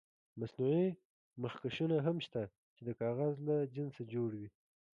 مصنوعي مخکشونه هم شته چې د کاغذ له جنسه جوړ وي.